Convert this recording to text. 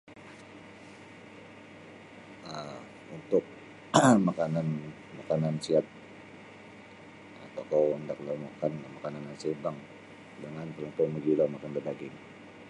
um Untuk makanan makanan siat tokou hendaklah makan makanan yang seimbang jangan talampau magilo makan da daging.